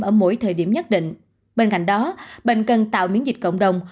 ở mỗi thời điểm nhất định bên cạnh đó bệnh cần tạo miễn dịch cộng đồng